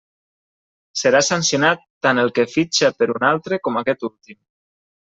Serà sancionat tant el que fitxa per un altre com aquest últim.